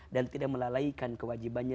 dan tidak melalaikan kewajibannya